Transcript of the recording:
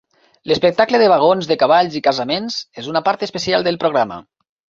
L'espectacle de vagons de cavalls i casaments és una part especial del programa.